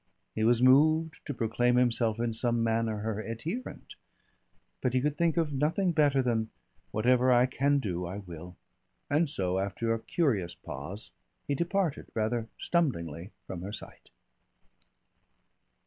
He was moved to proclaim himself in some manner her adherent, but he could think of nothing better than: "Whatever I can do I will." And so, after a curious pause, he departed, rather stumblingly, from her sight.